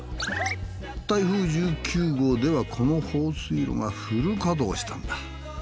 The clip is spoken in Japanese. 台風１９号ではこの放水路がフル稼働したんだ。